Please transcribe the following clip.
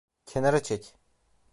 Kenara çek!